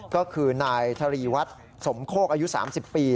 ก็คือนายทรีย์วัดสมโคกอายุ๓๐ปี